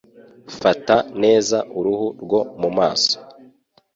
fata neza uruhu rwo mu maso